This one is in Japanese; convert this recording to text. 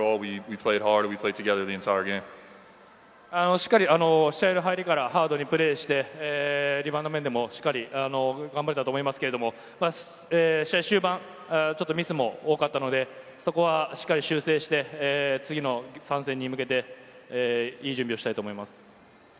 しっかり試合の入りからハードにプレーしてリバウンド面でも頑張れたと思いますが、試合終盤、ミスも多かったので、そこはしっかり修正して、次の３戦に向けていい準備をしたいと思います。